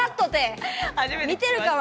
見てるか？